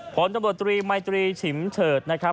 ผลตำรวจตรีมัยตรีฉิมเฉิดนะครับ